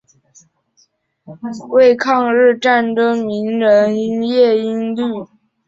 傅慰孤之母为抗日战争名人叶因绿。